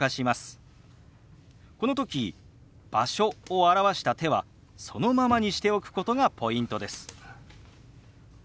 この時「場所」を表した手はそのままにしておくことがポイントです。